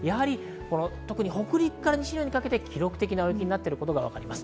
特に北陸から西日本にかけて記録的な雪になっていることがわかります。